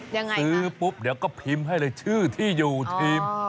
ยังไงซื้อปุ๊บเดี๋ยวก็พิมพ์ให้เลยชื่อที่อยู่ทีม